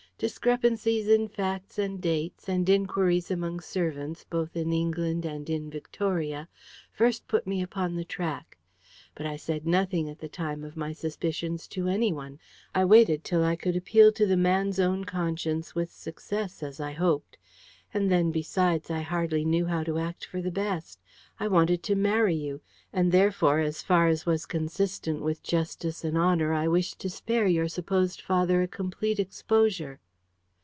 Discrepancies in facts and dates, and inquiries among servants both in England and in Victoria, first put me upon the track. But I said nothing at the time of my suspicions to anyone. I waited till I could appeal to the man's own conscience with success, as I hoped. And then, besides, I hardly knew how to act for the best. I wanted to marry you; and therefore, as far as was consistent with justice and honour, I wished to spare your supposed father a complete exposure."